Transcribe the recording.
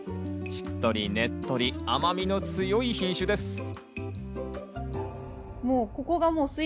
しっとりねっとり、甘みの強い品種です。